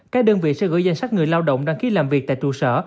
các đơn vị sẽ gửi danh sách người lao động đăng ký làm việc tại trụ sở